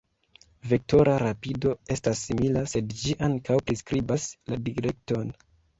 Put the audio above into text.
Vektora rapido estas simila, sed ĝi ankaŭ priskribas la direkton.